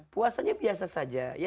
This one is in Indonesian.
puasanya biasa saja